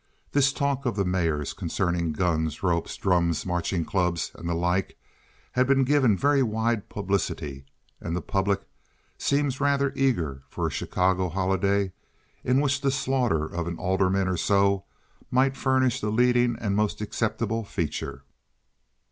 This talk of the mayor's concerning guns, ropes, drums, marching clubs, and the like has been given very wide publicity, and the public seems rather eager for a Chicago holiday in which the slaughter of an alderman or so might furnish the leading and most acceptable feature.